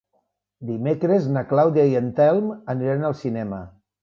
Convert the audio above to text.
Dimecres na Clàudia i en Telm aniran al cinema.